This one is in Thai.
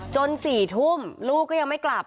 ๔ทุ่มลูกก็ยังไม่กลับ